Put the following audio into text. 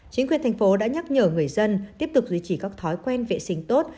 chính quyền thành phố đã nhắc nhở người dân tiếp tục duy trì các thói quen vệ sinh tốt